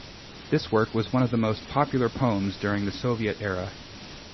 This work was one of the most popular poems during the Soviet era.